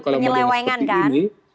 kalau kita seperti ini